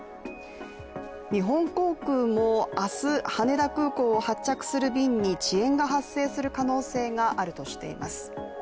日本航空も明日、羽田空港を発着する便に遅延が発生する可能性があるとしています。